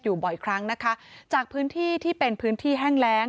อยู่บ่อยครั้งนะคะจากพื้นที่ที่เป็นพื้นที่แห้งแรง